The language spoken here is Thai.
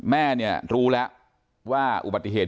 แม่เนี่ยรู้แล้วว่าอุบัติเหตุ